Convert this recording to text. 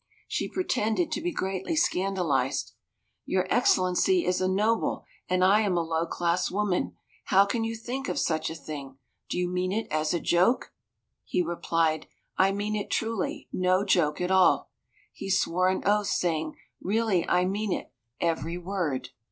She pretended to be greatly scandalized. "Your Excellency is a noble, and I am a low class woman; how can you think of such a thing? Do you mean it as a joke?" He replied, "I mean it truly, no joke at all." He swore an oath, saying, "Really I mean it, every word."